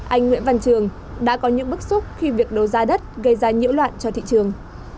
anh nguyễn văn trường đã có những bức xúc khi việc đô giá đất gây ra nhiễu loạn cho thị trường